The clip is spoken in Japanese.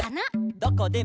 「どこでも」